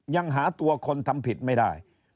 ยังหาตัวคนทำผิดไม่ได้